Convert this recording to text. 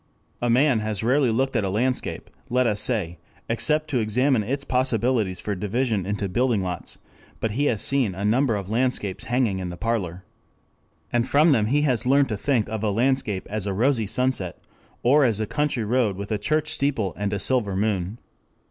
A man has rarely looked at a landscape, let us say, except to examine its possibilities for division into building lots, but he has seen a number of landscapes hanging in the parlor. And from them he has learned to think of a landscape as a rosy sunset, or as a country road with a church steeple and a silver moon.